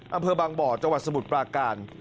อำเภอบังบ่อเฉพาะสมุดปราการ